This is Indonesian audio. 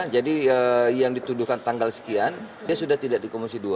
jadi yang dituduhkan tanggal sekian dia sudah tidak di komisi dua